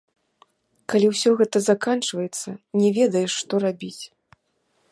Калі ўсё гэта заканчваецца, не ведаеш, што рабіць.